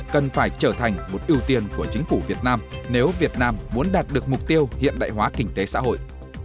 cần phải trở thành một ưu tiên của chính phủ việt nam nếu việt nam muốn đạt được mục tiêu hiện đại hóa kinh tế xã hội